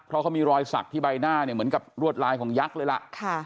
เพราะเขามีรอยสักที่ใบหน้าเนี่ยเหมือนกับรวดลายของยักษ์เลยล่ะ